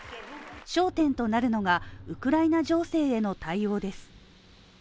焦点となるのが、ウクライナ情勢への対応です。